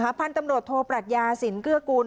พันธุ์ตำรวจโทปรัชญาสินเกื้อกูล